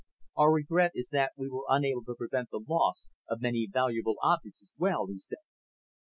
"Our regret is that we were unable to prevent the loss of many valuable objects as well," he said.